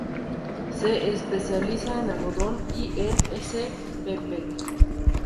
Se especializa en algodón y en spp.